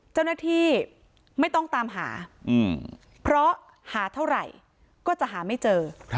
เจ้าหน้าที่ไม่ต้องตามหาเพราะหาเท่าไหร่ก็จะหาไม่เจอ